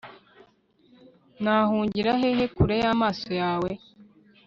nahungira hehe kure y'amaso yawe